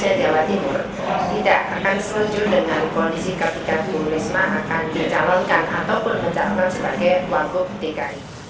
tidak akan seluju dengan kondisi ketika risma akan dicalonkan ataupun mencapai sebagai wangguk dki